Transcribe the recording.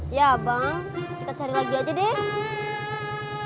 iya bang kita cari lagi aja deh